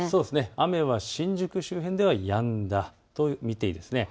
雨は新宿周辺ではやんだと見ていいんですね。